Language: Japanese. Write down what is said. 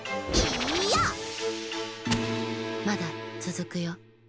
まだつづくよ。